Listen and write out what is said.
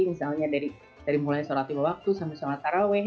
misalnya dari mulai sholat tiba waktu sampai sholat taraweh